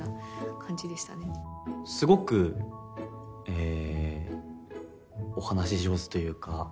すごくお話し上手というか。